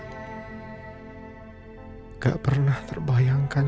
bapak gak pernah terbayangkan